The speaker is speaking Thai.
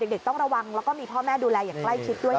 ต้องระวังแล้วก็มีพ่อแม่ดูแลอย่างใกล้ชิดด้วย